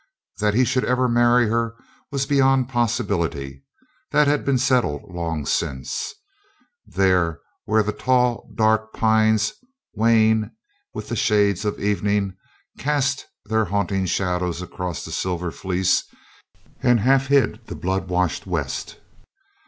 That he should ever marry her was beyond possibility; that had been settled long since there where the tall, dark pines, wan with the shades of evening, cast their haunting shadows across the Silver Fleece and half hid the blood washed west.